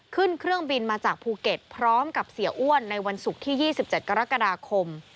ขึ้นเครื่องบินมาจากภูเก็ตพร้อมกับเสียอ้วนในวันศุกร์ที่๒๗กรกฎาคม